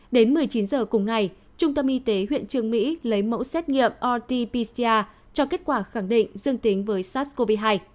đến một mươi chín h cùng ngày trung tâm y tế huyện trường mỹ lấy mẫu xét nghiệm rt pcr cho kết quả khẳng định dương tính với sars cov hai